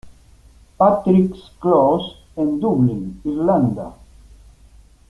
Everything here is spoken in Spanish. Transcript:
Patrick´s Close en Dublín, Irlanda.